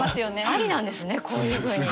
ありなんですねこういうふうに。